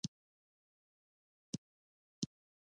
آزاد تجارت مهم دی ځکه چې الوتکې اسانوي.